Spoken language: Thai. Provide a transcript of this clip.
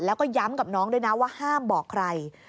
แล้วก็ย้ำกับน้องด้วยนะว่าห้ามบอกใคร